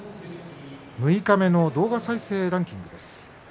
六日目の動画再生ランキングです。